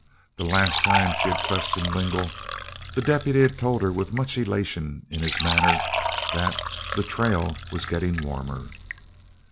The last time she had questioned Lingle, the deputy had told her with much elation in his manner that "the trail was getting warmer."